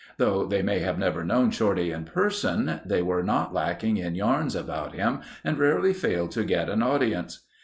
Though they may have never known Shorty in person, they were not lacking in yarns about him and rarely failed to get an audience.